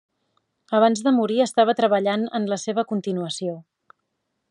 Abans de morir, estava treballant en la seva continuació.